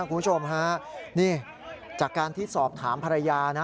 คุณผู้ชมฮะนี่จากการที่สอบถามภรรยานะ